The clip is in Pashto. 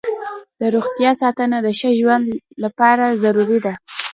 د روغتیا ساتنه د ښه ژوند لپاره ضروري ده.